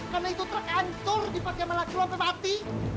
karena itu truk hancur dipakai sama laki lo sampai mati